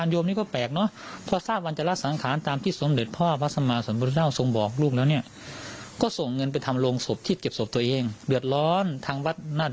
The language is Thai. โยมนัชพรโรงเนี่ยครับ